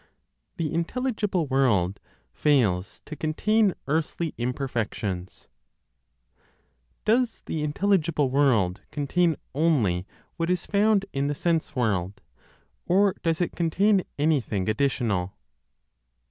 THE INTELLIGIBLE WORLD FAILS TO CONTAIN EARTHLY IMPERFECTIONS. Does the intelligible world contain only what is found in the sense world, or does it contain anything additional?...